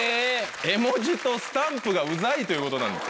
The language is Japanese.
絵文字とスタンプがウザいということなんです。